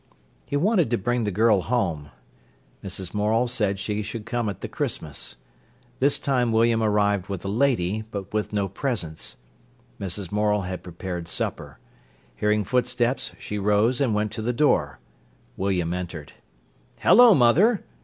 He wanted to bring the girl home. Mrs. Morel said she should come at the Christmas. This time William arrived with a lady, but with no presents. Mrs. Morel had prepared supper. Hearing footsteps, she rose and went to the door. William entered. "Hello, mother!"